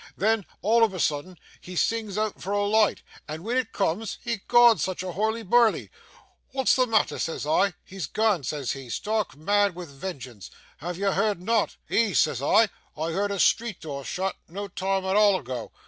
Then all of a soodden, he sings oot for a loight, and when it cooms ecod, such a hoorly boorly! "Wa'at's the matter?" says I. "He's gane," says he, stark mad wi' vengeance. "Have you heerd nought?" "Ees," says I, "I heerd street door shut, no time at a' ago.